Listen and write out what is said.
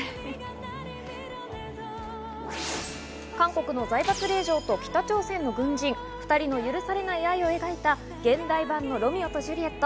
韓国の財閥令嬢と北朝鮮の軍人、２人の許されない愛を描いた現代版のロミオとジュリエット。